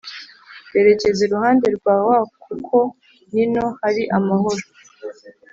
berekeza iruhande rwa wa kuko nino hari amahoro